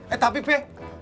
eh tapi be